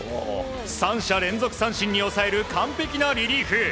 ３者連続三振に抑える完璧なリリーフ。